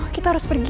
kita harus pergi